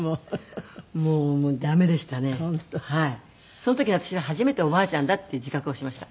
その時に私は初めておばあちゃんだっていう自覚をしました。